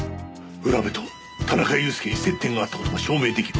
浦部と田中裕介に接点があった事が証明出来る。